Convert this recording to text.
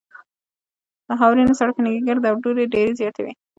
په خاورینو سړکونو کې ګرد او دوړې ډېرې زیاتې وې